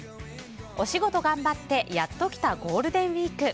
お仕事頑張ってやっと来たゴールデンウィーク。